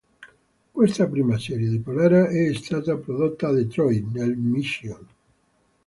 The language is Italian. Questa prima serie di Polara è stata prodotta a Detroit, nel Michigan.